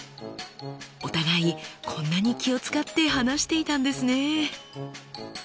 お互いこんなに気を遣って話していたんですね。